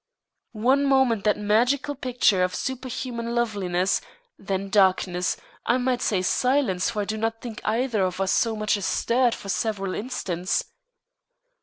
One moment that magical picture of superhuman loveliness, then darkness, I might say silence, for I do not think either of us so much as stirred for several instants.